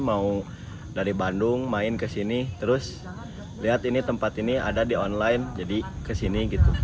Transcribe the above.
mau dari bandung main ke sini terus lihat ini tempat ini ada di online jadi kesini gitu